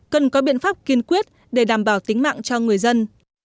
cần có biện pháp kiên quyết để đảm bảo tính mạng cho người dân